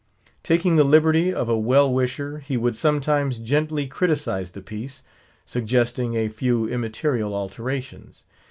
Taking the liberty of a well wisher, he would sometimes gently criticise the piece, suggesting a few immaterial alterations.